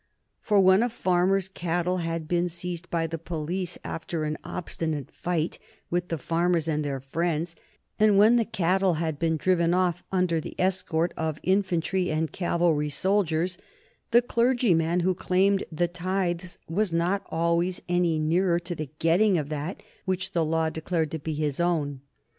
For when a farmer's cattle had been seized by the police after an obstinate fight with the farmers and their friends, and when the cattle had been driven off under the escort of infantry and cavalry soldiers, the clergyman who claimed the tithes was not always any nearer to the getting of that which the law declared to be his own.